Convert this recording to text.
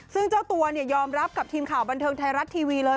ซึ่งเจ้าตัวยอมรับกับทีมข่าวบันเทิงไทยรัฐทีวีเลย